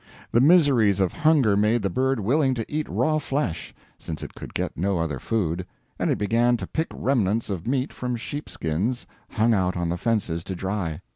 The miseries of hunger made the bird willing to eat raw flesh, since it could get no other food, and it began to pick remnants of meat from sheep skins hung out on the fences to dry.